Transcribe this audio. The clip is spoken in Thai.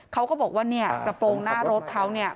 เขาก็บอกว่าเนี่ยกระโปรงหน้ารถเขาเนี่ย